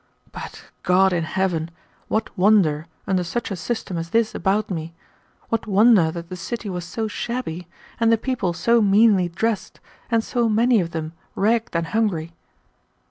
But, God in heaven! what wonder, under such a system as this about me what wonder that the city was so shabby, and the people so meanly dressed, and so many of them ragged and hungry!